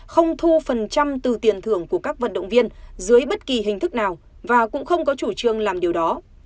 không thu phần trăm từ tiền thưởng của các vận động viên dưới bất kỳ hình thức nào và cũng không có chủ trương làm điều đó